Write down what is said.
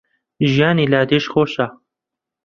ژیانی لادێش خۆشە